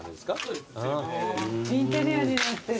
インテリアになってる。